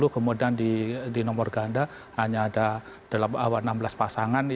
kemudian di nomor ganda hanya ada dalam enam belas pasangan